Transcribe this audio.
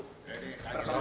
soal pelatihan dong